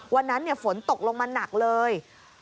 วันนั้นฝนตกลงมาหนักเลย